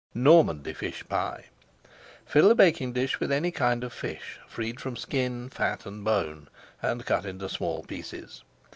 NORMANDY FISH PIE Fill a baking dish with any kind of fish, freed from skin, fat, and bone, and cut into small pieces.